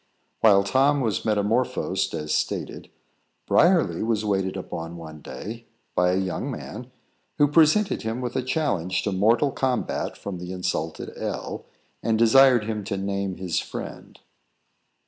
While Tom was metamorphosed as stated, Briarly was waited upon one day, by a young man, who presented him with a challenge to mortal combat from the insulted L , and desired him to name his friend.